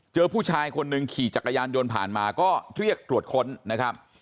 เจอผู้ชายคนหนึ่งขี่จักรยานยนต์ผ่านมาก็เรียกตรวจค้นนะครับ